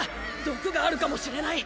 毒があるかもしれない。